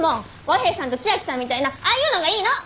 和平さんと千明さんみたいなああいうのがいいの！